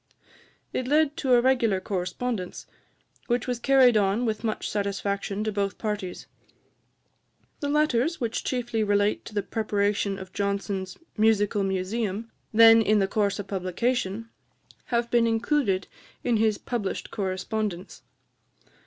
It led to a regular correspondence, which was carried on with much satisfaction to both parties. The letters, which chiefly relate to the preparation of Johnson's Musical Museum, then in the course of publication, have been included in his published correspondence.